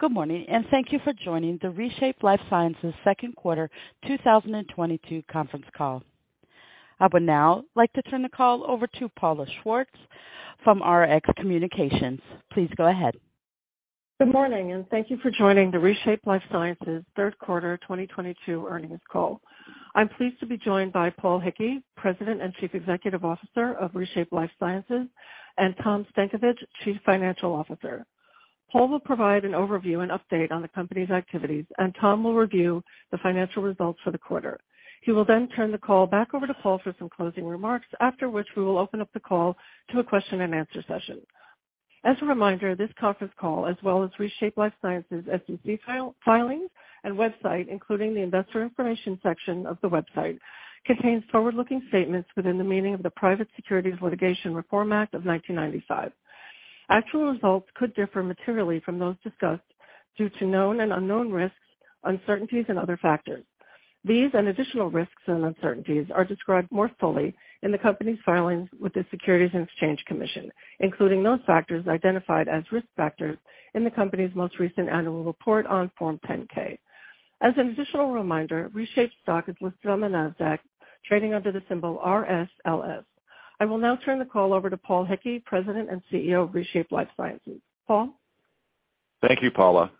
Good morning, and thank you for joining the ReShape Lifesciences Second Quarter 2022 Conference Call. I would now like to turn the call over to Paula Schwartz from Rx Communications. Please go ahead. Good morning, and thank you for joining the ReShape Lifesciences third quarter 2022 earnings call. I'm pleased to be joined by Paul Hickey, President and Chief Executive Officer of ReShape Lifesciences, and Tom Stankovich, Chief Financial Officer. Paul will provide an overview and update on the company's activities, and Tom will review the financial results for the quarter. He will then turn the call back over to Paul for some closing remarks, after which we will open up the call to a question-and-answer session. As a reminder, this conference call, as well as ReShape Lifesciences SEC filings, and website, including the investor information section of the website, contains forward-looking statements within the meaning of the Private Securities Litigation Reform Act of 1995. Actual results could differ materially from those discussed due to known and unknown risks, uncertainties, and other factors. These and additional risks and uncertainties are described more fully in the company's filings with the Securities and Exchange Commission, including those factors identified as risk factors in the company's most recent annual report on Form 10-K. As an additional reminder, ReShape Lifesciences stock is listed on the Nasdaq, trading under the symbol RSLS. I will now turn the call over to Paul F. Hickey, President and CEO of ReShape Lifesciences. Paul? Thank you, Paula.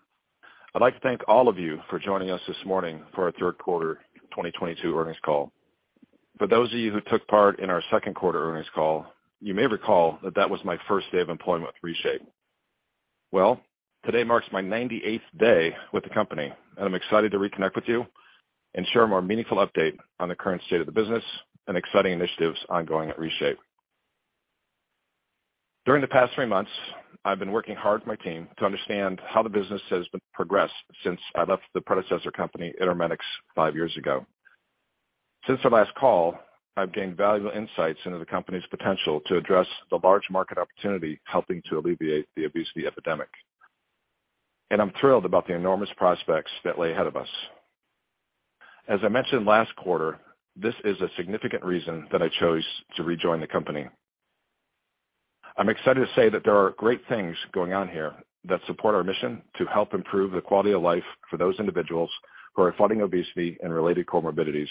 I'd like to thank all of you for joining us this morning for our third quarter 2022 Earnings Call. For those of you who took part in our second quarter earnings call, you may recall that that was my first day of employment with ReShape. Well, today marks my 98th day with the company, and I'm excited to reconnect with you and share a more meaningful update on the current state of the business and exciting initiatives ongoing at ReShape. During the past three months, I've been working hard with my team to understand how the business has been progressed since I left the predecessor company, EnteroMedics, five years ago. Since our last call, I've gained valuable insights into the company's potential to address the large market opportunity helping to alleviate the obesity epidemic. I'm thrilled about the enormous prospects that lay ahead of us. As I mentioned last quarter, this is a significant reason that I chose to rejoin the company. I'm excited to say that there are great things going on here that support our mission to help improve the quality of life for those individuals who are fighting obesity and related comorbidities,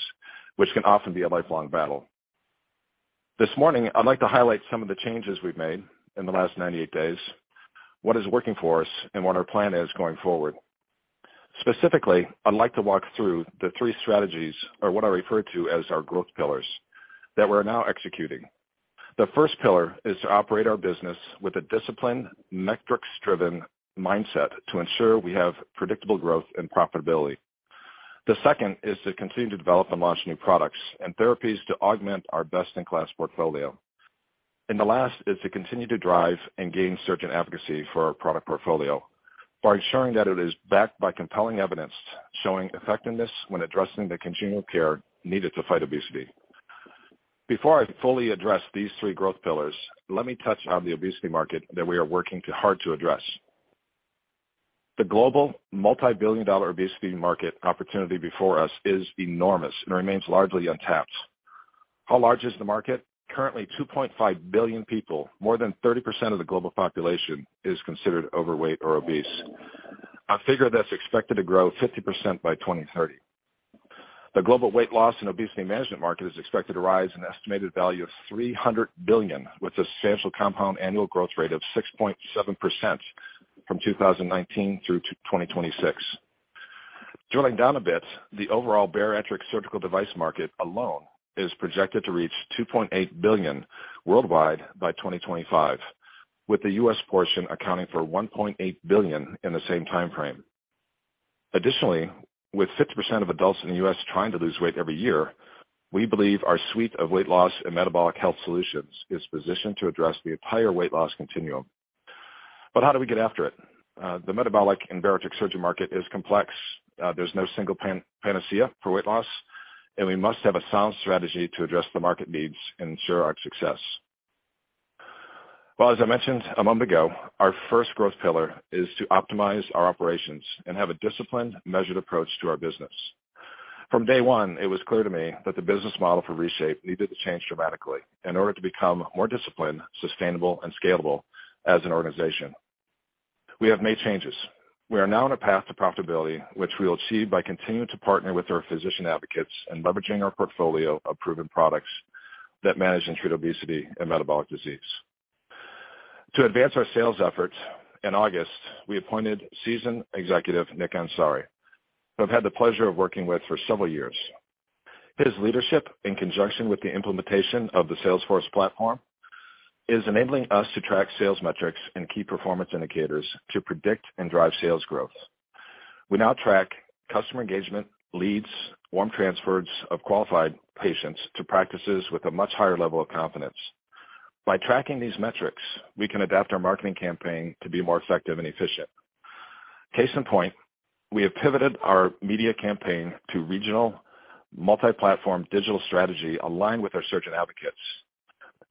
which can often be a lifelong battle. This morning, I'd like to highlight some of the changes we've made in the last 98 days, what is working for us, and what our plan is going forward. Specifically, I'd like to walk through the three strategies or what I refer to as our growth pillars that we're now executing. The first pillar is to operate our business with a disciplined, metrics-driven mindset to ensure we have predictable growth and profitability. The second is to continue to develop and launch new products and therapies to augment our best-in-class portfolio. The last is to continue to drive and gain surgeon advocacy for our product portfolio by ensuring that it is backed by compelling evidence showing effectiveness when addressing the continual care needed to fight obesity. Before I fully address these three growth pillars, let me touch on the obesity market that we are working hard to address. The global multi-billion dollar obesity market opportunity before us is enormous and remains largely untapped. How large is the market? Currently, 2.5 billion people, more than 30% of the global population, is considered overweight or obese, a figure that's expected to grow 50% by 2030. The global weight loss and obesity management market is expected to rise an estimated value of $300 billion, with a substantial compound annual growth rate of 6.7% from 2019 through 2026. Drilling down a bit, the overall bariatric surgical device market alone is projected to reach $2.8 billion worldwide by 2025, with the U.S. portion accounting for $1.8 billion in the same timeframe. Additionally, with 50% of adults in the U.S. trying to lose weight every year, we believe our suite of weight loss and metabolic health solutions is positioned to address the entire weight loss continuum. How do we get after it? The metabolic and bariatric surgery market is complex. There's no single panacea for weight loss, and we must have a sound strategy to address the market needs and ensure our success. Well, as I mentioned a moment ago, our first growth pillar is to optimize our operations and have a disciplined, measured approach to our business. From day one, it was clear to me that the business model for ReShape needed to change dramatically in order to become more disciplined, sustainable, and scalable as an organization. We have made changes. We are now on a path to profitability, which we will achieve by continuing to partner with our physician advocates and leveraging our portfolio of proven products that manage and treat obesity and metabolic disease. To advance our sales efforts, in August, we appointed seasoned executive Nick Ansari, who I've had the pleasure of working with for several years. His leadership, in conjunction with the implementation of the Salesforce platform, is enabling us to track sales metrics and key performance indicators to predict and drive sales growth. We now track customer engagement, leads, warm transfers of qualified patients to practices with a much higher level of confidence. By tracking these metrics, we can adapt our marketing campaign to be more effective and efficient. Case in point, we have pivoted our media campaign to regional multi-platform digital strategy aligned with our surgeon advocates.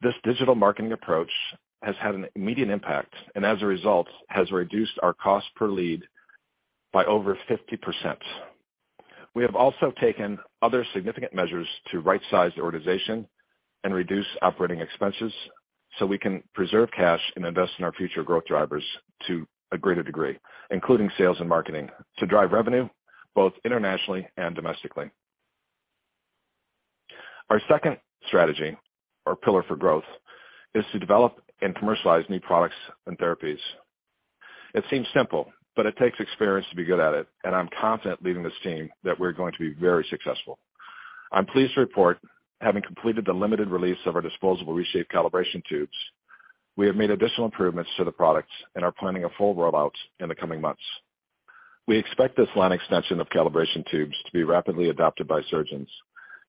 This digital marketing approach has had an immediate impact and as a result, has reduced our cost per lead by over 50%. We have also taken other significant measures to right-size the organization and reduce operating expenses so we can preserve cash and invest in our future growth drivers to a greater degree, including sales and marketing, to drive revenue both internationally and domestically. Our second strategy or pillar for growth is to develop and commercialize new products and therapies. It seems simple, but it takes experience to be good at it, and I'm confident leading this team that we're going to be very successful. I'm pleased to report, having completed the limited release of our disposable ReShape Calibration Tubes, we have made additional improvements to the products and are planning a full rollout in the coming months. We expect this line extension of calibration tubes to be rapidly adopted by surgeons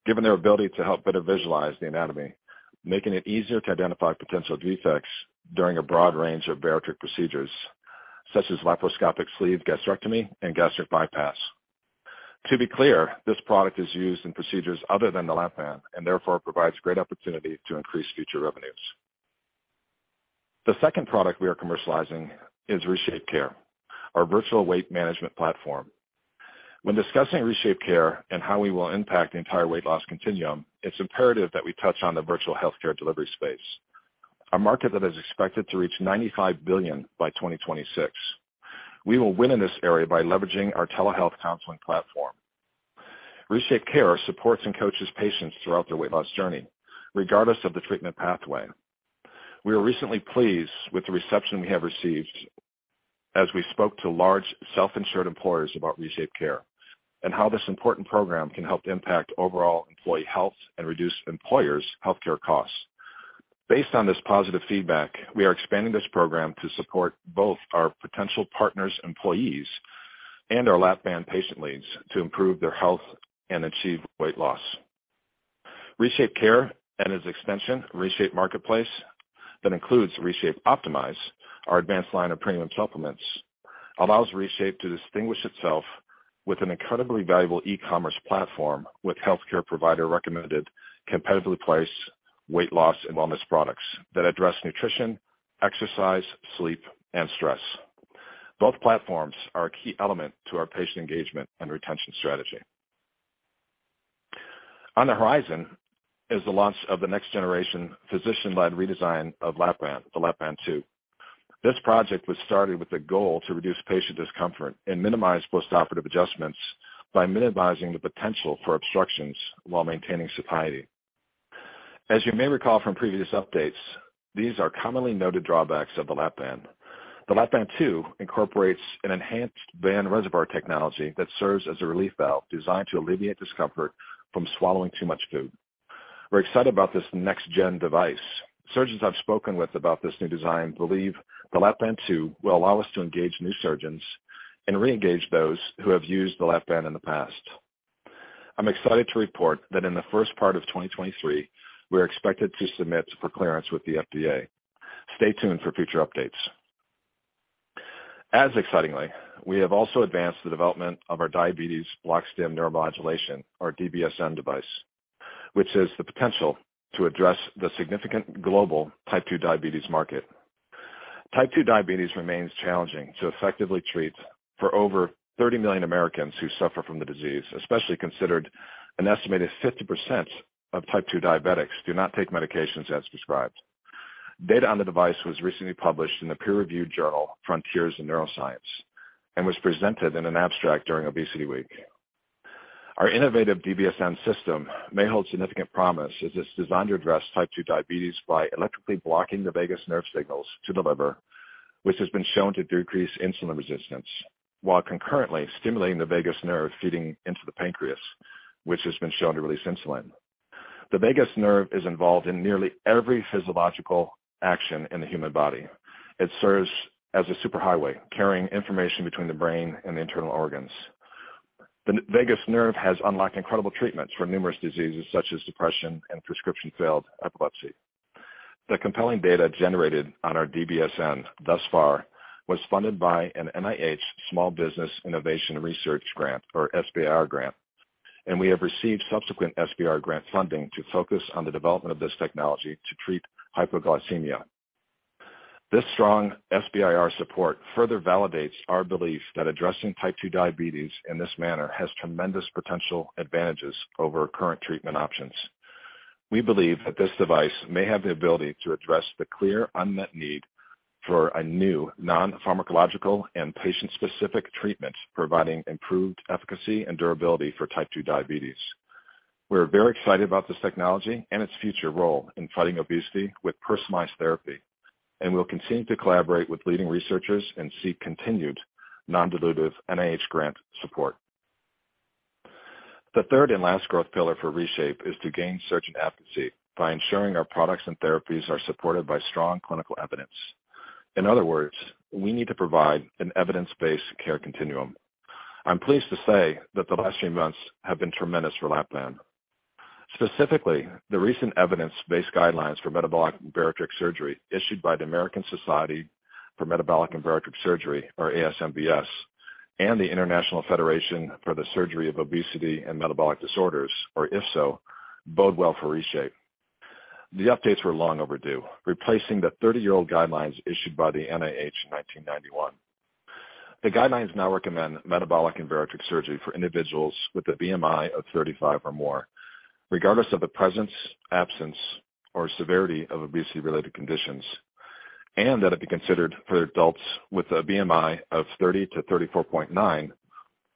given their ability to help better visualize the anatomy, making it easier to identify potential defects during a broad range of bariatric procedures such as laparoscopic sleeve gastrectomy and gastric bypass. To be clear, this product is used in procedures other than the Lap-Band, and therefore it provides great opportunity to increase future revenues. The second product we are commercializing is ReShape Care, our virtual weight management platform. When discussing ReShape Care and how we will impact the entire weight loss continuum, it's imperative that we touch on the virtual healthcare delivery space, a market that is expected to reach $95 billion by 2026. We will win in this area by leveraging our telehealth counseling platform. ReShape Care supports and coaches patients throughout their weight loss journey, regardless of the treatment pathway. We are recently pleased with the reception we have received as we spoke to large self-insured employers about ReShape Care and how this important program can help impact overall employee health and reduce employers' healthcare costs. Based on this positive feedback, we are expanding this program to support both our potential partners' employees and our Lap-Band patient leads to improve their health and achieve weight loss. ReShapeCare and its extension, ReShape Marketplace, that includes ReShape Optimize, our advanced line of premium supplements, allows ReShape to distinguish itself with an incredibly valuable e-commerce platform with healthcare provider recommended, competitively priced weight loss and wellness products that address nutrition, exercise, sleep, and stress. Both platforms are a key element to our patient engagement and retention strategy. On the horizon is the launch of the next generation physician-led redesign of Lap-Band, the Lap-Band 2. This project was started with the goal to reduce patient discomfort and minimize postoperative adjustments by minimizing the potential for obstructions while maintaining satiety. As you may recall from previous updates, these are commonly noted drawbacks of the Lap-Band. The Lap-Band 2 incorporates an enhanced band reservoir technology that serves as a relief valve designed to alleviate discomfort from swallowing too much food. We're excited about this next-gen device. Surgeons I've spoken with about this new design believe the Lap-Band 2 will allow us to engage new surgeons and reengage those who have used the Lap-Band in the past. I'm excited to report that in the first part of 2023, we are expected to submit for clearance with the FDA. Stay tuned for future updates. As excitingly, we have also advanced the development of our Diabetes Bloc-Stim Neuromodulation, our DBSN device, which has the potential to address the significant global Type 2 diabetes market. Type 2 diabetes remains challenging to effectively treat for over 30 million Americans who suffer from the disease, especially considering an estimated 50% of Type 2 diabetics do not take medications as prescribed. Data on the device was recently published in the peer-reviewed journal, Frontiers in Neuroscience, and was presented in an abstract during Obesity Week. Our innovative DBSN system may hold significant promise as it's designed to address Type 2 diabetes by electrically blocking the vagus nerve signals to the liver, which has been shown to decrease insulin resistance while concurrently stimulating the vagus nerve feeding into the pancreas, which has been shown to release insulin. The vagus nerve is involved in nearly every physiological action in the human body. It serves as a superhighway, carrying information between the brain and the internal organs. The vagus nerve has unlocked incredible treatments for numerous diseases such as depression and prescription-failed epilepsy. The compelling data generated on our DBSN thus far was funded by an NIH Small Business Innovation Research grant or SBIR grant, and we have received subsequent SBIR grant funding to focus on the development of this technology to treat hypoglycemia. This strong SBIR support further validates our belief that addressing Type 2 diabetes in this manner has tremendous potential advantages over current treatment options. We believe that this device may have the ability to address the clear unmet need for a new non-pharmacological and patient-specific treatment, providing improved efficacy and durability for Type 2 diabetes. We're very excited about this technology and its future role in fighting obesity with personalized therapy, and we'll continue to collaborate with leading researchers and seek continued non-dilutive NIH grant support. The third and last growth pillar for ReShape is to gain surgeon advocacy by ensuring our products and therapies are supported by strong clinical evidence. In other words, we need to provide an evidence-based care continuum. I'm pleased to say that the last few months have been tremendous for Lap-Band. Specifically, the recent evidence-based guidelines for metabolic and bariatric surgery issued by the American Society for Metabolic and Bariatric Surgery, or ASMBS, and the International Federation for the Surgery of Obesity and Metabolic Disorders, or IFSO, bode well for ReShape. The updates were long overdue, replacing the 30-year-old guidelines issued by the NIH in 1991. The guidelines now recommend metabolic and bariatric surgery for individuals with a BMI of 35 or more, regardless of the presence, absence, or severity of obesity-related conditions. That it be considered for adults with a BMI of 30 to 34.9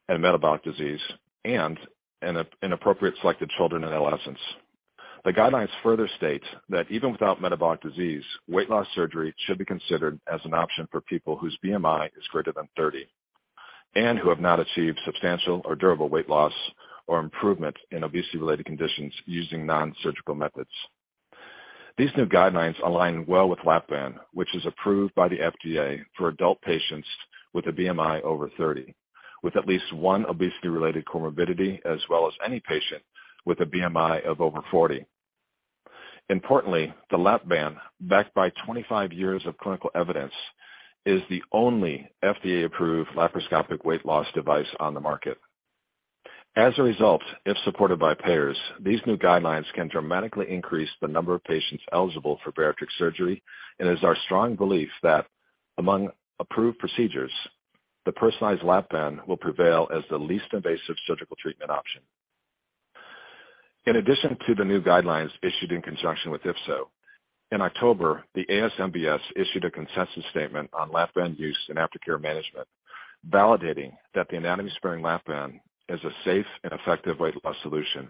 in metabolic disease and in appropriate selected children and adolescents. The guidelines further state that even without metabolic disease, weight loss surgery should be considered as an option for people whose BMI is greater than 30 and who have not achieved substantial or durable weight loss or improvement in obesity-related conditions using nonsurgical methods. These new guidelines align well with Lap-Band, which is approved by the FDA for adult patients with a BMI over 30, with at least one obesity-related comorbidity, as well as any patient with a BMI of over 40. Importantly, the Lap-Band, backed by 25 years of clinical evidence, is the only FDA-approved laparoscopic weight loss device on the market. As a result, if supported by payers, these new guidelines can dramatically increase the number of patients eligible for bariatric surgery, and it is our strong belief that among approved procedures, the personalized Lap-Band will prevail as the least invasive surgical treatment option. In addition to the new guidelines issued in conjunction with IFSO, in October, the ASMBS issued a consensus statement on Lap-Band use and aftercare management, validating that the anatomy-sparing Lap-Band is a safe and effective weight loss solution.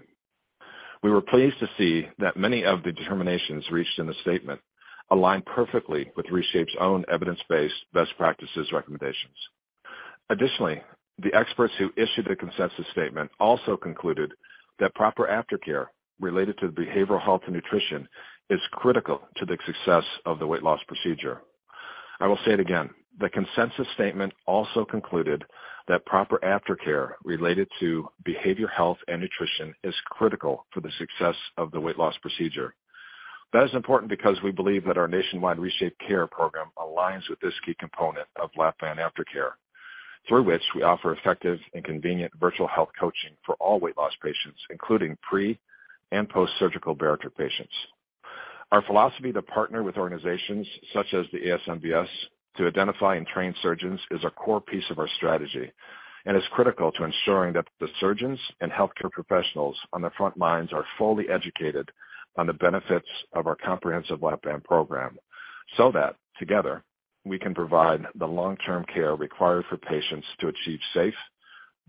We were pleased to see that many of the determinations reached in the statement align perfectly with ReShape's own evidence-based best practices recommendations. Additionally, the experts who issued the consensus statement also concluded that proper aftercare related to behavioral health and nutrition is critical to the success of the weight loss procedure. I will say it again. The consensus statement also concluded that proper aftercare related to behavior, health, and nutrition is critical for the success of the weight loss procedure. That is important because we believe that our nationwide ReShapeCare program aligns with this key component of Lap-Band aftercare, through which we offer effective and convenient virtual health coaching for all weight loss patients, including pre and post-surgical bariatric patients. Our philosophy to partner with organizations such as the ASMBS to identify and train surgeons is a core piece of our strategy and is critical to ensuring that the surgeons and healthcare professionals on the front lines are fully educated on the benefits of our comprehensive Lap-Band program, so that together we can provide the long-term care required for patients to achieve safe,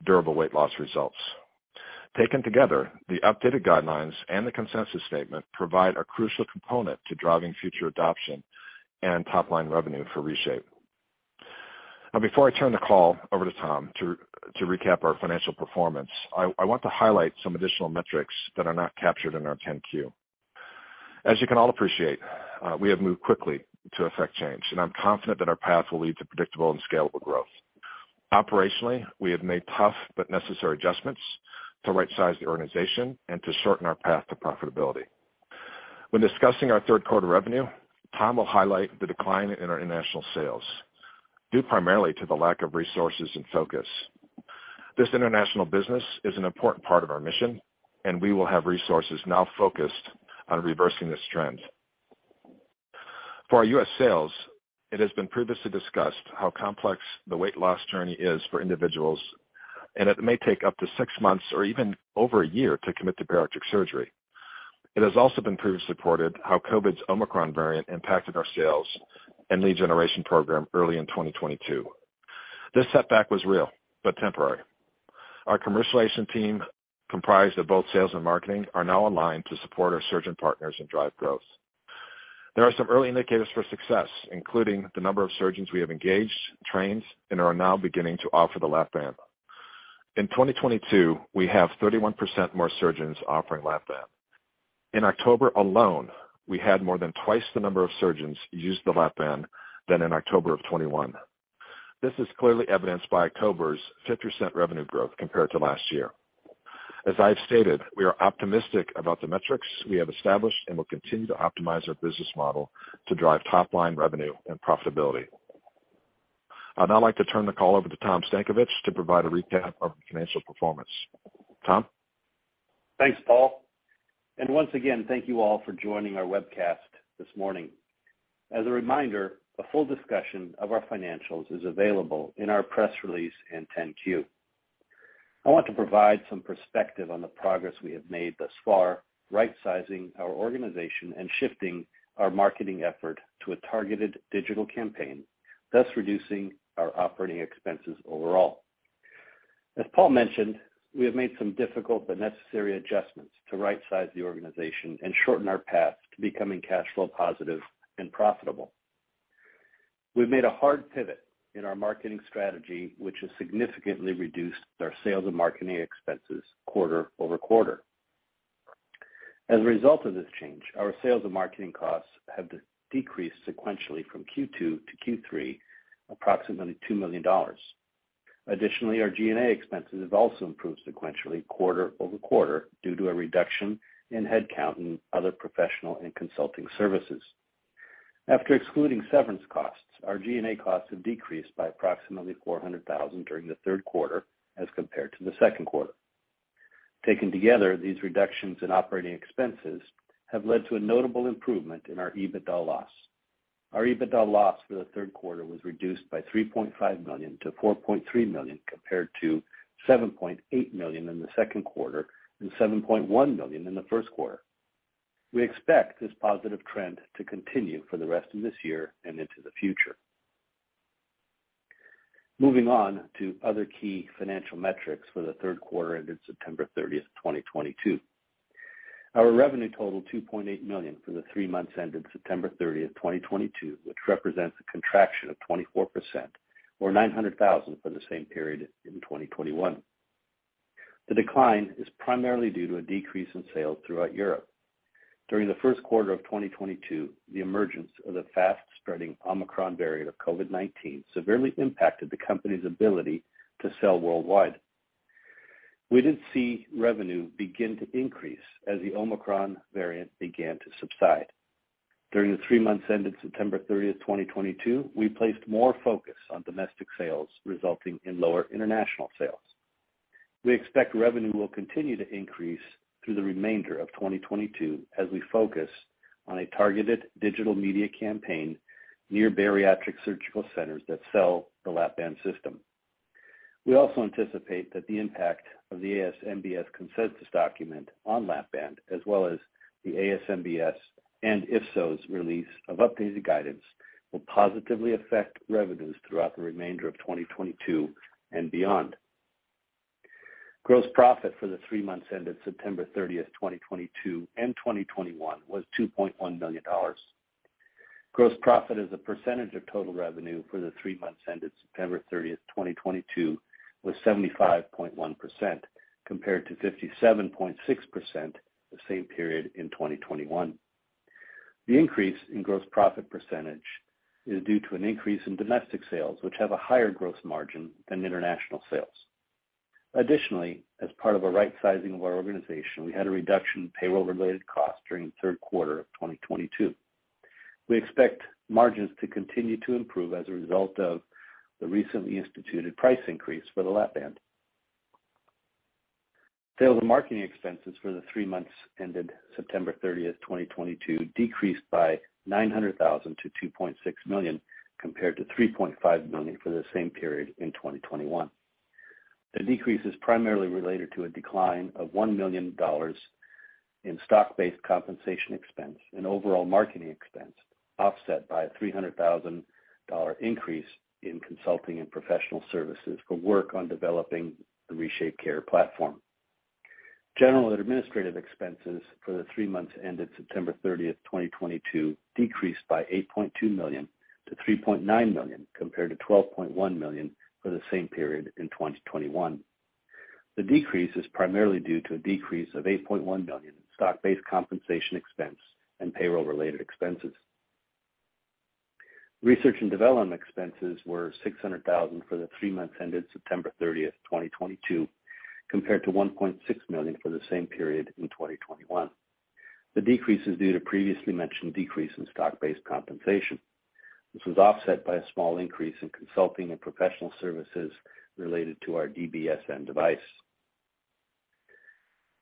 durable weight loss results. Taken together, the updated guidelines and the consensus statement provide a crucial component to driving future adoption and top-line revenue for ReShape. Now, before I turn the call over to Tom to recap our financial performance, I want to highlight some additional metrics that are not captured in our 10-Q. As you can all appreciate, we have moved quickly to effect change, and I'm confident that our path will lead to predictable and scalable growth. Operationally, we have made tough but necessary adjustments to right-size the organization and to shorten our path to profitability. When discussing our third quarter revenue, Tom will highlight the decline in our international sales, due primarily to the lack of resources and focus. This international business is an important part of our mission, and we will have resources now focused on reversing this trend. For our U.S. sales, it has been previously discussed how complex the weight loss journey is for individuals, and it may take up to six months or even over a year to commit to bariatric surgery. It has also been previously supported how COVID's Omicron variant impacted our sales and lead generation program early in 2022. This setback was real but temporary. Our commercialization team, comprised of both sales and marketing, are now aligned to support our surgeon partners and drive growth. There are some early indicators for success, including the number of surgeons we have engaged, trained, and are now beginning to offer the Lap-Band. In 2022, we have 31% more surgeons offering Lap-Band. In October alone, we had more than twice the number of surgeons use the Lap-Band than in October of 2021. This is clearly evidenced by October's 50% revenue growth compared to last year. As I have stated, we are optimistic about the metrics we have established and will continue to optimize our business model to drive top-line revenue and profitability. I'd now like to turn the call over to Tom Stankovich to provide a recap of financial performance. Tom? Thanks, Paul. Once again, thank you all for joining our webcast this morning. As a reminder, a full discussion of our financials is available in our press release and 10-Q. I want to provide some perspective on the progress we have made thus far, rightsizing our organization and shifting our marketing effort to a targeted digital campaign, thus reducing our operating expenses overall. As Paul mentioned, we have made some difficult but necessary adjustments to rightsize the organization and shorten our path to becoming cash flow positive and profitable. We've made a hard pivot in our marketing strategy, which has significantly reduced our sales and marketing expenses quarter over quarter. As a result of this change, our sales and marketing costs have decreased sequentially from Q2 to Q3, approximately $2 million. Additionally, our G&A expenses have also improved sequentially quarter-over-quarter due to a reduction in headcount and other professional and consulting services. After excluding severance costs, our G&A costs have decreased by approximately $400,000 during the third quarter as compared to the second quarter. Taken together, these reductions in operating expenses have led to a notable improvement in our EBITDA loss. Our EBITDA loss for the third quarter was reduced by $3.5 million to $4.3 million, compared to $7.8 million in the second quarter and $7.1 million in the first quarter. We expect this positive trend to continue for the rest of this year and into the future. Moving on to other key financial metrics for the third quarter ended September 30th, 2022. Our revenue totaled $2.8 million for the three months ended September 30th, 2022, which represents a contraction of 24% or $900,000 for the same period in 2021. The decline is primarily due to a decrease in sales throughout Europe. During the first quarter of 2022, the emergence of the fast spreading Omicron variant of COVID-19 severely impacted the company's ability to sell worldwide. We did see revenue begin to increase as the Omicron variant began to subside. During the three months ended September 30th, 2022, we placed more focus on domestic sales, resulting in lower international sales. We expect revenue will continue to increase through the remainder of 2022 as we focus on a targeted digital media campaign near bariatric surgical centers that sell the Lap-Band system. We also anticipate that the impact of the ASMBS consensus document on Lap-Band, as well as the ASMBS and IFSO's release of updated guidance, will positively affect revenues throughout the remainder of 2022 and beyond. Gross profit for the three months ended September 30th, 2022 and 2021 was $2.1 million. Gross profit as a percentage of total revenue for the three months ended September 30, 2022 was 75.1%, compared to 57.6% the same period in 2021. The increase in gross profit percentage is due to an increase in domestic sales, which have a higher gross margin than international sales. Additionally, as part of a right sizing of our organization, we had a reduction in payroll-related costs during the third quarter of 2022. We expect margins to continue to improve as a result of the recently instituted price increase for the Lap-Band. Sales and marketing expenses for the three months ended September 30th, 2022 decreased by $900,000 to $2.6 million, compared to $3.5 million for the same period in 2021. The decrease is primarily related to a decline of $1 million in stock-based compensation expense and overall marketing expense, offset by a $300,000 increase in consulting and professional services for work on developing the ReShapeCare platform. General and administrative expenses for the three months ended September 30th, 2022 decreased by $8.2 million to $3.9 million, compared to $12.1 million for the same period in 2021. The decrease is primarily due to a decrease of $8.1 million in stock-based compensation expense and payroll-related expenses. Research and development expenses were $600,000 for the three months ended September 30th, 2022, compared to $1.6 million for the same period in 2021. The decrease is due to previously mentioned decrease in stock-based compensation. This was offset by a small increase in consulting and professional services related to our DBSN device.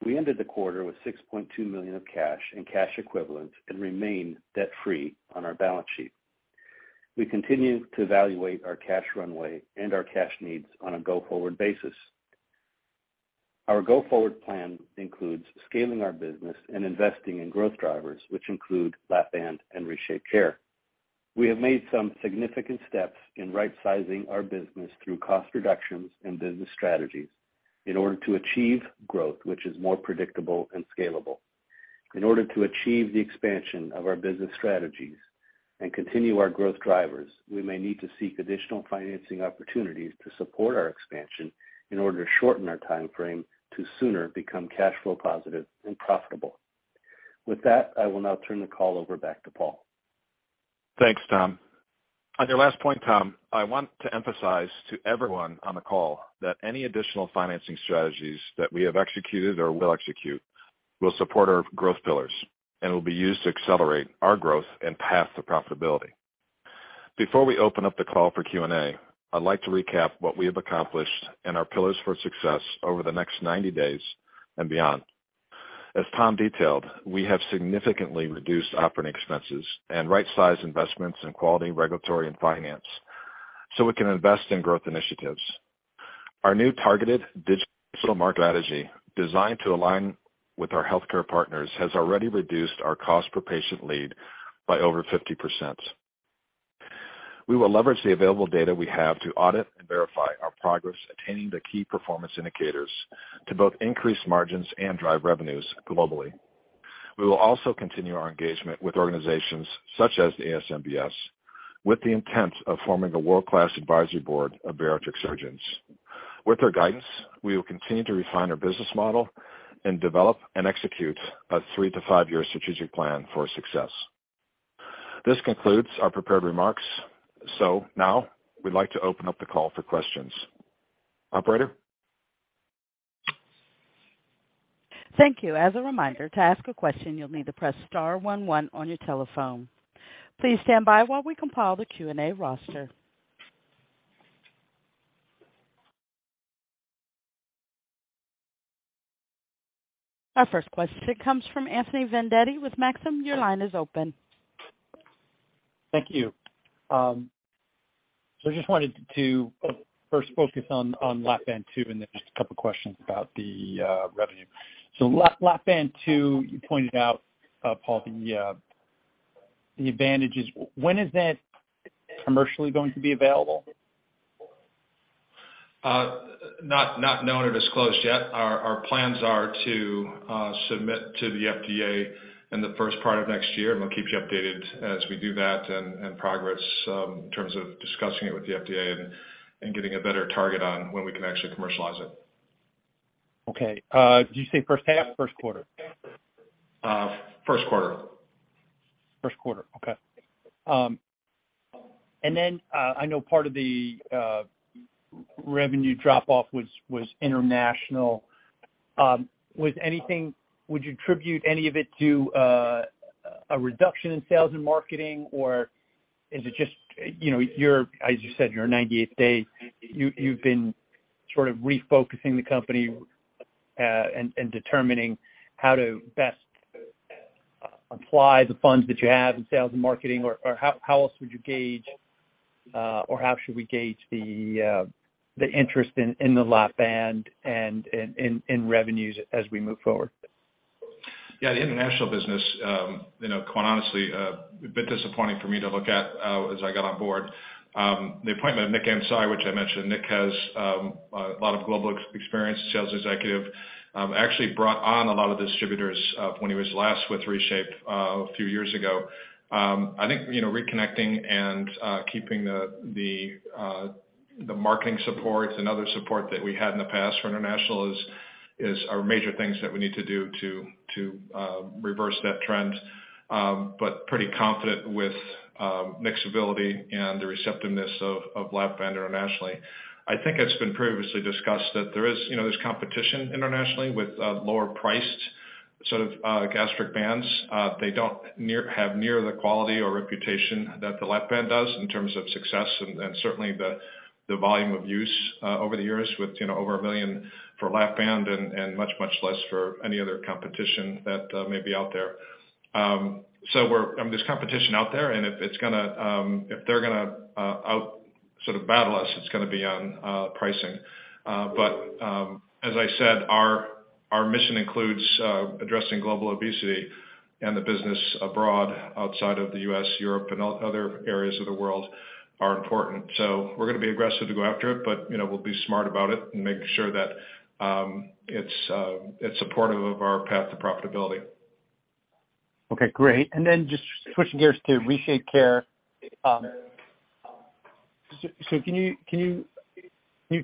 We ended the quarter with $6.2 million of cash and cash equivalents and remain debt-free on our balance sheet. We continue to evaluate our cash runway and our cash needs on a go-forward basis. Our go-forward plan includes scaling our business and investing in growth drivers, which include Lap-Band and ReShapeCare. We have made some significant steps in rightsizing our business through cost reductions and business strategies in order to achieve growth which is more predictable and scalable. In order to achieve the expansion of our business strategies and continue our growth drivers, we may need to seek additional financing opportunities to support our expansion in order to shorten our time frame to sooner become cash flow positive and profitable. With that, I will now turn the call over back to Paul. Thanks, Tom. On your last point, Tom, I want to emphasize to everyone on the call that any additional financing strategies that we have executed or will execute will support our growth pillars and will be used to accelerate our growth and path to profitability. Before we open up the call for Q&A, I'd like to recap what we have accomplished and our pillars for success over the next 90 days and beyond. As Tom detailed, we have significantly reduced operating expenses and rightsized investments in quality, regulatory, and finance, so we can invest in growth initiatives. Our new targeted digital market strategy designed to align with our healthcare partners has already reduced our cost per patient lead by over 50%. We will leverage the available data we have to audit and verify our progress attaining the key performance indicators to both increase margins and drive revenues globally. We will also continue our engagement with organizations such as the ASMBS with the intent of forming a world-class advisory board of bariatric surgeons. With their guidance, we will continue to refine our business model and develop and execute a 3- to 5-year strategic plan for success. This concludes our prepared remarks. Now we'd like to open up the call for questions. Operator? Thank you. As a reminder, to ask a question, you'll need to press star one one on your telephone. Please stand by while we compile the Q&A roster. Our first question comes from Anthony Vendetti with Maxim. Your line is open. Thank you. I just wanted to first focus on Lap-Band 2 and then just a couple of questions about the revenue. Lap-Band 2, you pointed out, Paul, the advantages. When is that commercially going to be available? Not known or disclosed yet. Our plans are to submit to the FDA in the first part of next year, and we'll keep you updated as we do that and progress in terms of discussing it with the FDA and getting a better target on when we can actually commercialize it. Okay. Did you say first half or first quarter? First quarter. First quarter. Okay. IUm know part of the revenue drop-off was international um would you attribute any of it to uh a reduction in sales and marketing? Or is it just, you know, as you said, you're 98th day, you've been sort of refocusing the company, and determining how to best apply the funds that you have in sales and marketing, or how else would you gauge, or how should we gauge the interest in the Lap-Band and in revenues as we move forward? Yeah, the international business, you know, quite honestly, a bit disappointing for me to look at, as I got on board. The appointment of Nick Ansari, which I mentioned, Nick has a lot of global experience sales executive, actually brought on a lot of distributors, when he was last with ReShape, a few years ago. I think, you know, reconnecting and keeping the marketing support and other support that we had in the past for international are major things that we need to do to reverse that trend. Pretty confident with viability and the receptiveness of Lap-Band internationally. I think it's been previously discussed that there is, you know, there's competition internationally with lower priced sort of gastric bands. They don't have near the quality or reputation that the Lap-Band does in terms of success, and certainly the volume of use over the years with you know over 1 million for Lap-Band and much less for any other competition that may be out there. There's competition out there, and if they're gonna outbattle us, it's gonna be on pricing. But as I said, our mission includes addressing global obesity and the business abroad outside of the US, Europe, and other areas of the world are important. We're gonna be aggressive to go after it, but you know, we'll be smart about it and making sure that it's supportive of our path to profitability. Okay, great. Just switching gears to ReShape Care. Can you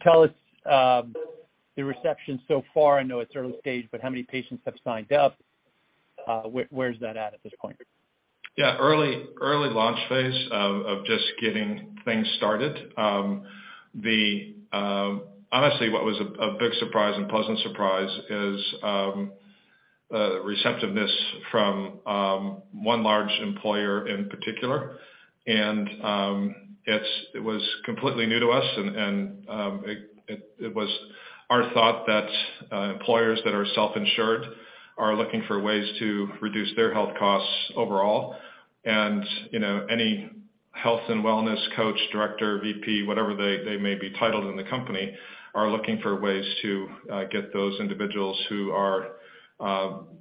tell us uh the reception so far? I know it's early stage, but how many patients have signed up? Where is that at this point? Yeah, early launch phase of just getting things started um honestly, what was a big surprise and pleasant surprise is receptiveness from one large employer in particular. It was completely new to us and it was our thought that employers that are self-insured are looking for ways to reduce their health costs overall. You know any health and wellness coach, director, VP, whatever they may be titled in the company are looking for ways to get those individuals who are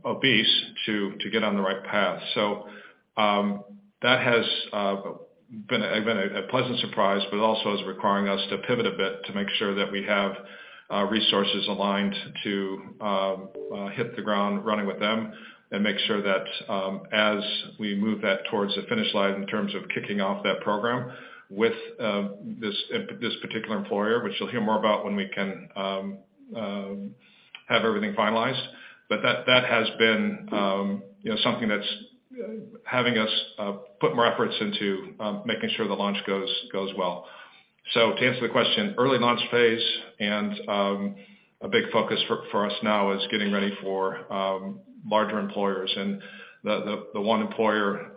obese to get on the right path. That has been a pleasant surprise, but also is requiring us to pivot a bit to make sure that we have our resources aligned to hit the ground running with them and make sure that as we move that towards the finish line in terms of kicking off that program with this particular employer, which you'll hear more about when we can um have everything finalized. That has been um you know something that's having us put more efforts into making sure the launch goes well. So to answer the question, early launch phase, and a big focus for us now is getting ready for larger employers. The one employer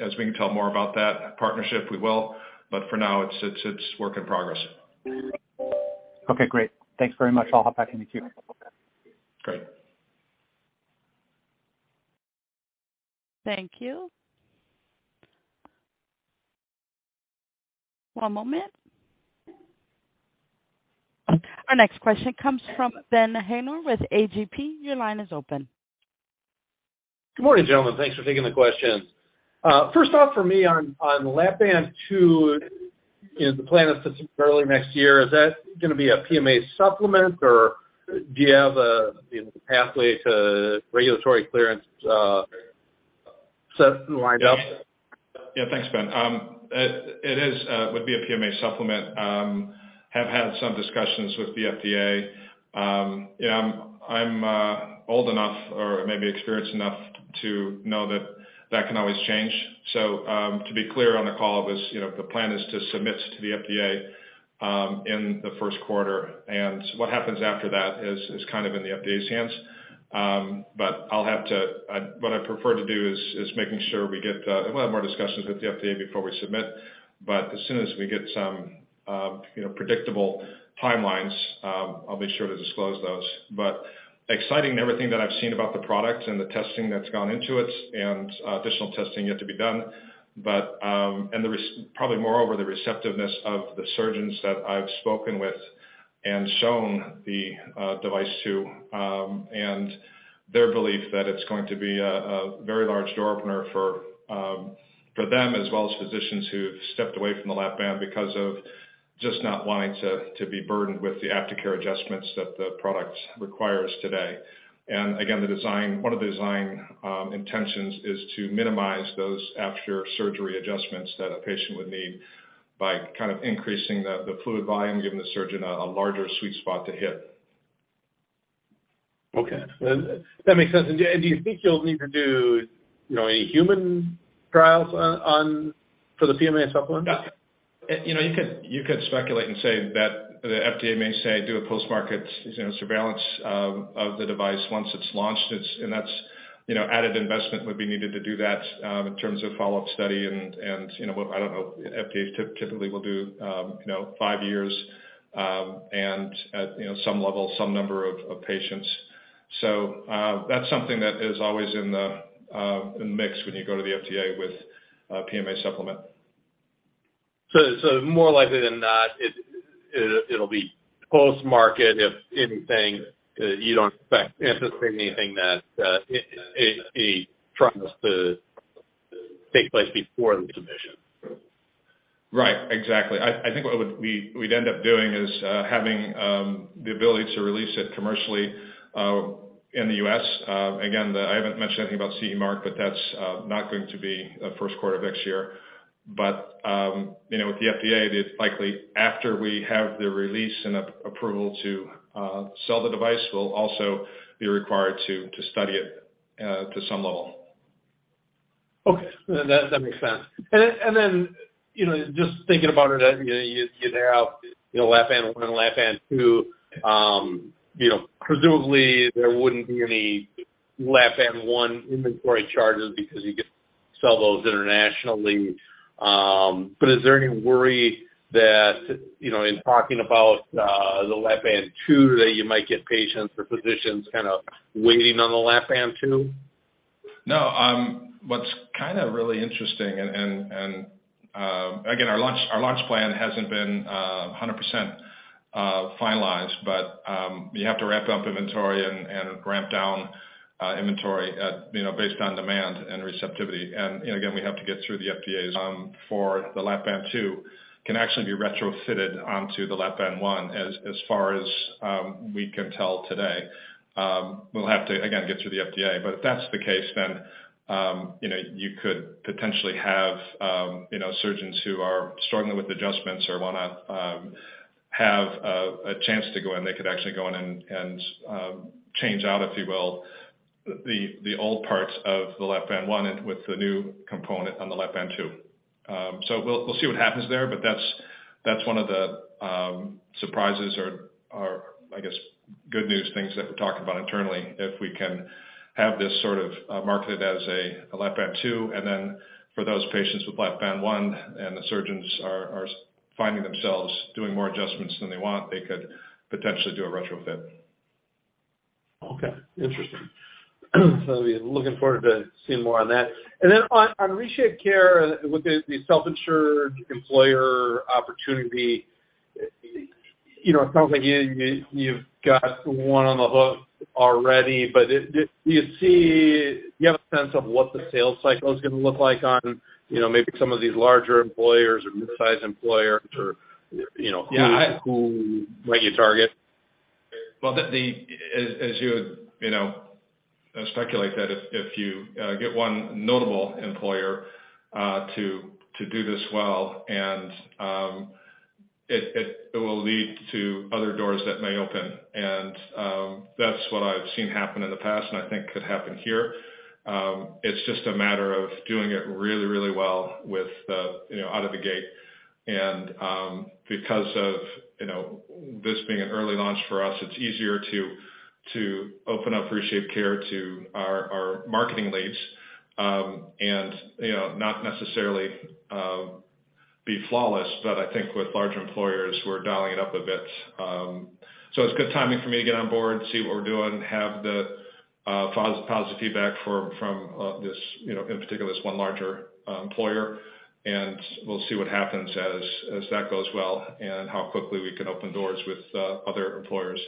as we can tell more about that partnership, we will. For now, it's work in progress. Okay, great. Thanks very much. I'll hop back in the queue. Great. Thank you. One moment. Our next question comes from Ben Haynor with A.G.P. Your line is open. Good morning, gentlemen. Thanks for taking the questions. First off for me on Lap-Band 2, you know, the plan is early next year. Is that gonna be a PMA supplement or do you have a, you know, pathway to regulatory clearance set and lined up? Yeah. Yeah. Thanks, Ben. It would be a PMA supplement um I have had some discussions with the FDA. Yeah, I'm old enough or maybe experienced enough to know that that can always change. So to be clear on the call, you know, the plan is to submit to the FDA in the first quarter. What happens after that is kind of in the FDA's hands um but I will have to what I prefer to do is making sure we'll have more discussions with the FDA before we submit, but as soon as we get some, you know predictable timelines um I'll be sure to disclose those. Exciting, everything that I've seen about the product and the testing that's gone into it and additional testing yet to be done. Probably moreover, the receptiveness of the surgeons that I've spoken with and shown the device to, and their belief that it's going to be a very large door opener for them, as well as physicians who've stepped away from the Lap-Band because of just not wanting to be burdened with the aftercare adjustments that the product requires today. Again, one of the design intentions is to minimize those after surgery adjustments that a patient would need by kind of increasing the fluid volume, giving the surgeon a larger sweet spot to hit. Okay. That makes sense. Do you think you'll need to do, you know, any human trials on for the PMA supplement? You know, you could speculate and say that the FDA may say do a post-market, you know, surveillance of the device once it's launched. That's, you know, added investment would be needed to do that in terms of follow-up study and, you know, what I don't know. FDA typically will do, you know five years and at, you know, some level, some number of patients. That's something that is always in the mix when you go to the FDA with a PMA supplement. More than likely than not, it'll be post-market, if anything. You don't expect necessarily anything that tries to take place before the submission. Right. Exactly. I think we'd end up doing is having the ability to release it commercially in the U.S. Again, I haven't mentioned anything about CE marking but that's not going to be first quarter of next year. You know, with the FDA, it's likely after we have the release and an approval to sell the device, we'll also be required to study it to some level. Okay. That makes sense. You know, just thinking about it, you laid out, you know, Lap-Band one and Lap-Band two. You know, presumably there wouldn't be any Lap-Band one inventory charges because you could sell those internationally. Is there any worry that, you know, in talking about the Lap-Band 2, that you might get patients or physicians kind of waiting on the Lap-Band 2? No. What's kind of really interesting and, again, our launch plan hasn't been uh 100% uh finalized but um you have to ramp up inventory and ramp down inventory, you know, based on demand and receptivity. You know, again, we have to get through the FDA's for the Lap-Band 2 can actually be retrofitted onto the Lap-Band 1 as far as we can tell today. We'll have to, again, get through the FDA. If that's the case, then you know, you could potentially have you know, surgeons who are struggling with adjustments or wanna have a chance to go in. They could actually go in and change out, if you will, the old parts of the Lap-Band 1 and with the new component on the Lap-Band 2. We'll see what happens there, but that's one of the surprises or I guess good news things that we're talking about internally, if we can have this sort of marketed as a Lap-Band 2. Then for those patients with Lap-Band 1, and the surgeons are finding themselves doing more adjustments than they want, they could potentially do a retrofit. Okay. Interesting. Looking forward to seeing more on that. Then on ReShape Care with the self-insured employer opportunity, you know, it sounds like you've got one on the hook already. Do you have a sense of what the sales cycle is gonna look like on you know maybe some of these larger employers or mid-sized employers or, you know, who? Yeah. Who might you target? Well, as you would, you know, speculate that if you get one notable employer to do this well and it will lead to other doors that may open. That's what I've seen happen in the past and I think could happen here. It's just a matter of doing it really, really well, you know, out of the gate. Because of, you know, this being an early launch for us, it's easier to open up ReShape Care to our marketing leads, and, you know, not necessarily be flawless. I think with large employers, we're dialing it up a bit. It's good timing for me to get on board, see what we're doing, have the positive feedback from this, you know, in particular, this one larger employer and we'll see what happens as that goes well and how quickly we can open doors with other employers.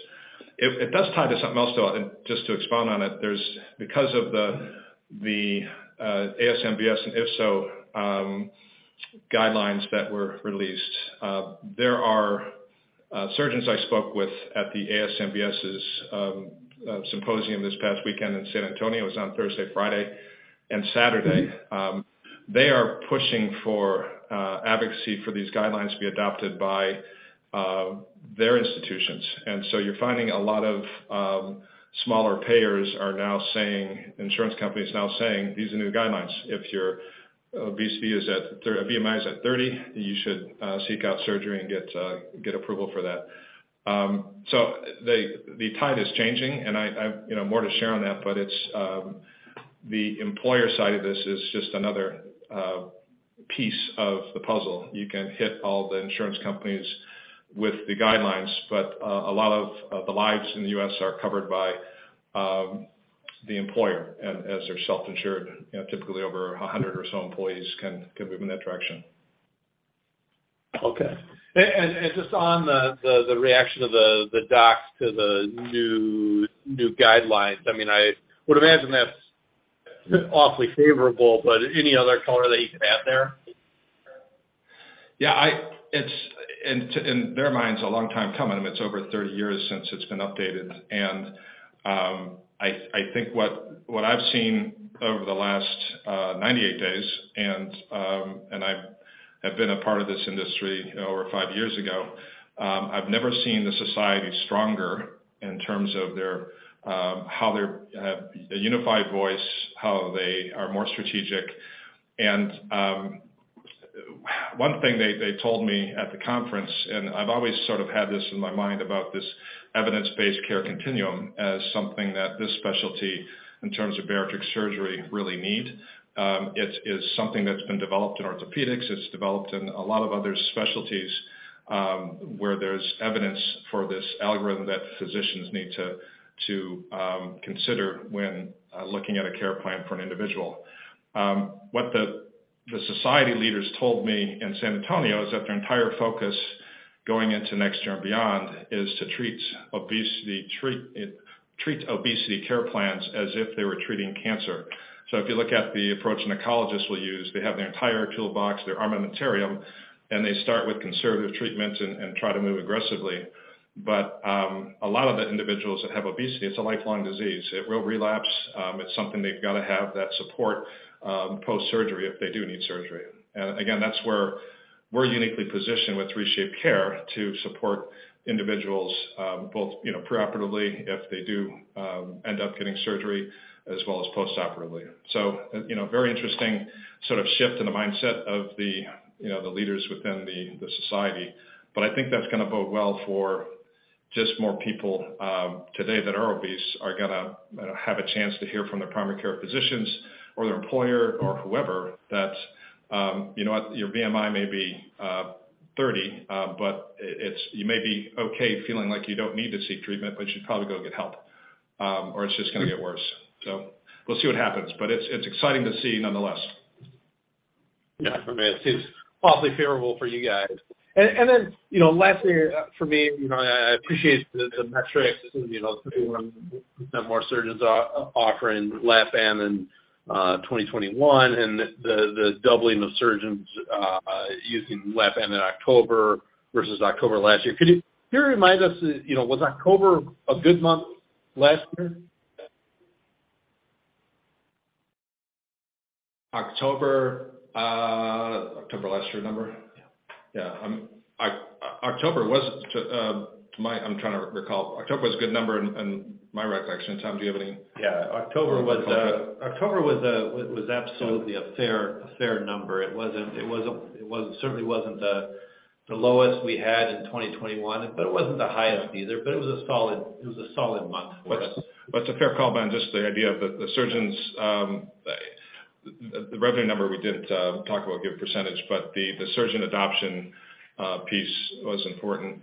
It does tie to something else, though. Just to expand on it because of the ASMBS and IFSO guidelines that were released, there are surgeons I spoke with at the ASMBS's symposium this past weekend in San Antonio. It was on Thursday, Friday, and Saturday. They are pushing for advocacy for these guidelines to be adopted by their institutions. You're finding a lot of smaller payers, insurance companies, now saying, "These are new guidelines. If your obesity is at BMI is at 30, you should seek out surgery and get approval for that." The tide is changing and I have more to share on that but the employer side of this is just another piece of the puzzle. Oyu can hit all the insurance companies with the guidelines but a lot of the lives in the U.S. are covered by the employer. As they're self-insured, you know, typically over 100 or so employees can move in that direction. Okay. Just on the reaction of the docs to the new guidelines. I mean, I would imagine that's awfully favorable, but any other color that you can add there? Yeah, it's in their minds a long time coming. I mean, it's over 30 years since it's been updated. I think what I've seen over the last 98 days and I have been a part of this industry over five years ago, I've never seen the society stronger in terms of their how they're a unified voice, how they are more strategic. One thing they told me at the conference, and I've always sort of had this in my mind about this evidence-based care continuum as something that this specialty in terms of bariatric surgery really need. It is something that's been developed in orthopedics, it's developed in a lot of other specialties, where there's evidence for this algorithm that physicians need to consider when looking at a care plan for an individual. What the society leaders told me in San Antonio is that their entire focus going into next year and beyond is to treat obesity care plans as if they were treating cancer. If you look at the approach an oncologist will use, they have their entire toolbox, their armamentarium, and they start with conservative treatments and try to move aggressively. A lot of the individuals that have obesity, it's a lifelong disease. It will relapse. It's something they've got to have that support, post-surgery if they do need surgery. Again, that's where we're uniquely positioned with ReShape Care to support individuals, both, you know, preoperatively if they do end up getting surgery as well as postoperatively. You know, very interesting sort of shift in the mindset of the, you know, the leaders within the society. I think that's gonna bode well for just more people today that are obese, are gonna have a chance to hear from their primary care physicians or their employer or whoever, that, you know what? Your BMI may be 30, but it's you may be okay feeling like you don't need to seek treatment, but you should probably go get help, or it's just gonna get worse. We'll see what happens. It's exciting to see nonetheless. Yeah. I mean, it seems awfully favorable for you guys. You know, last thing for me, you know I appreciate the metrics you know more surgeons offering Lap-Band in 2021 and the doubling of surgeons using Lap-Band in October versus October last year. Can you remind us, you know, was October a good month last year? October last year number? Yeah. Yeah. I'm trying to recall. October was a good number in my recollection. Tom, do you have any- Yeah. October was absolutely a fair number. It certainly wasn't the lowest we had in 2021, but it wasn't the highest either. It was a solid month for us. To be fair, Ben, just the idea of the surgeons, the revenue number, we didn't talk about or give percentage, but the surgeon adoption piece was important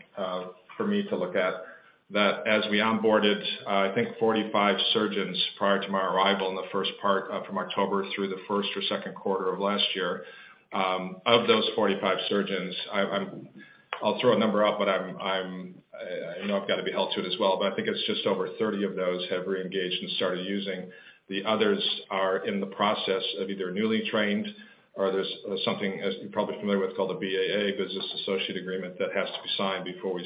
for me to look at. That, as we onboarded, I think 45 surgeons prior to my arrival in the first part from October through the first or second quarter of last year. Of those 45 surgeons, I'll throw a number out, but you know, I've got to be held to it as well but I think it's just over 30 of those have reengaged and started using. The others are in the process of either newly trained or there's something as you're probably familiar with called a BAA business associate agreement that has to be signed before we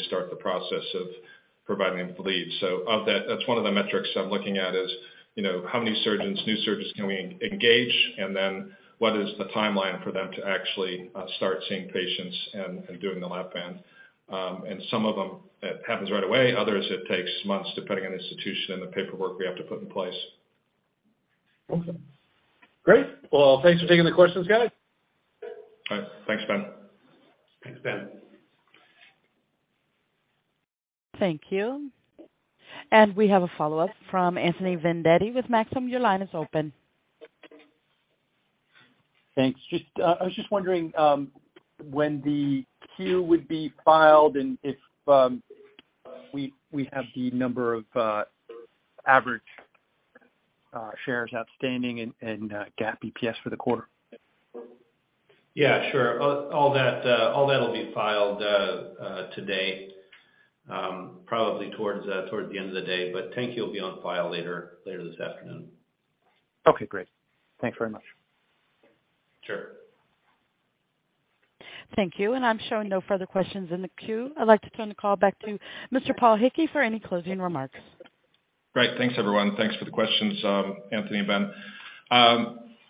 start the process of providing them with leads. Of that's one of the metrics I'm looking at is, you know, how many new surgeons can we engage and then what is the timeline for them to actually start seeing patients and doing the Lap-Band? Some of them it happens right away others it takes months depending on institution and the paperwork we have to put in place. Okay, great. Well, thanks for taking the questions guys. All right. Thanks, Ben. Thanks, Ben. Thank you. We have a follow-up from Anthony Vendetti with Maxim. Your line is open. Thanks. Just, I was just wondering, when the Q would be filed and if we have the number of average shares outstanding and GAAP EPS for the quarter? Yeah, sure. All that'll be filed today, probably toward the end of the day. I think it'll be on file later this afternoon. Okay, great. Thanks very much. Sure. Thank you. I'm showing no further questions in the queue. I'd like to turn the call back to Mr. Paul Hickey for any closing remarks. Great. Thanks, everyone. Thanks for the questions, Anthony and Ben.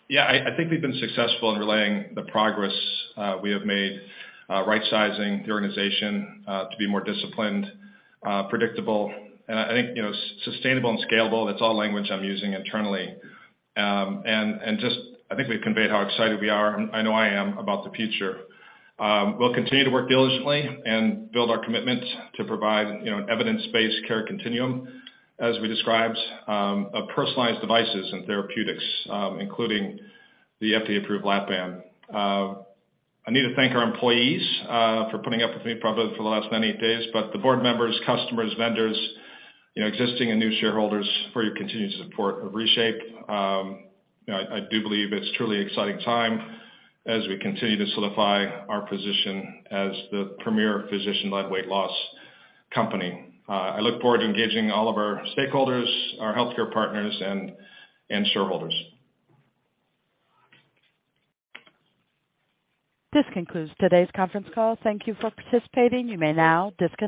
Yeah, I think we've been successful in relaying the progress we have made right-sizing the organization to be more disciplined, predictable, and I think, you know, sustainable and scalable. That's all language I'm using internally. Just I think we've conveyed how excited we are, I know I am, about the future. We'll continue to work diligently and build our commitment to provide, you know, an evidence-based care continuum as we described of personalized devices and therapeutics, including the FDA-approved Lap-Band. I need to thank our employees for putting up with me probably for the last 90 days, but the board members, customers, vendors, you know, existing and new shareholders for your continued support of ReShape. You know, I do believe it's truly exciting time as we continue to solidify our position as the premier physician-led weight loss company. I look forward to engaging all of our stakeholders, our healthcare partners and shareholders. This concludes today's conference call. Thank you for participating. You may now disconnect.